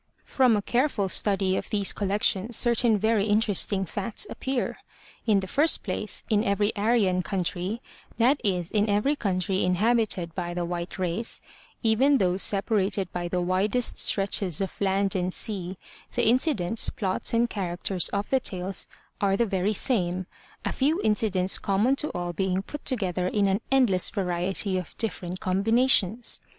From a careful study of these collections certain very inter esting facts appear. In the first place, in every Aryan country, that is every country inhabited by the white race, even those separated by the widest stretches of land and sea, the incidents, plots and characters of the tales are the very same, a few incidents common to all being put together in an endless variety of different combinations.